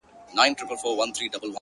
• پرېمانۍ ته غویی تللی په حیرت وو ,